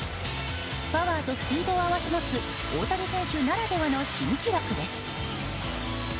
パワーとスピードを併せ持つ大谷選手ならではの新記録です。